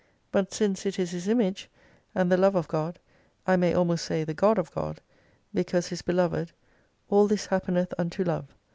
But since it is His Image, and the Love of God, I may almost say the God of God, because His beloved, all this happeneth unto Love.